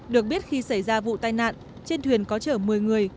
được biết khi xảy ra vụ tai nạn trên thuyền có chở một mươi người